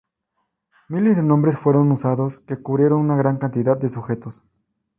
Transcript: Miles de nombres fueron usados que cubrieron una gran cantidad de sujetos.